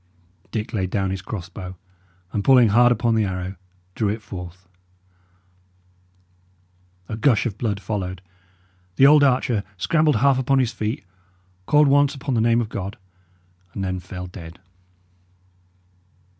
Dick laid down his cross bow, and pulling hard upon the arrow, drew it forth. A gush of blood followed; the old archer scrambled half upon his feet, called once upon the name of God, and then fell dead.